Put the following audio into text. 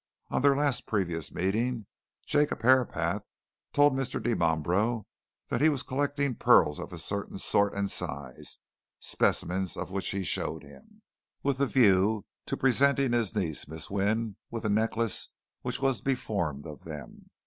On their last previous meeting Jacob Herapath told Mr. Dimambro that he was collecting pearls of a certain sort and size specimens of which he showed him with a view to presenting his niece, Miss Wynne, with a necklace which was to be formed of them.